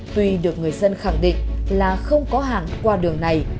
tuy được người dân khẳng định là không có hàng qua đường này